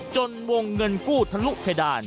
จนวงเงินกู้ทะลุเพดาน